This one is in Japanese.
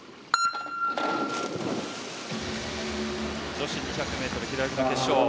女子２００ｍ平泳ぎ決勝。